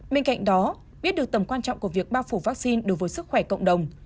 bên cạnh đó biết được tầm quan trọng của việc bao phủ vaccine đối với sức khỏe cộng đồng